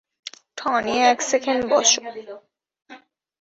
Tony, এক second বসো।